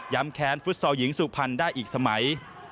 แค้นฟุตซอลหญิงสุพรรณได้อีกสมัย